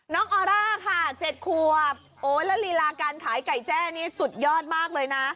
ออร่าค่ะ๗ขวบโอ้แล้วลีลาการขายไก่แจ้นี่สุดยอดมากเลยนะ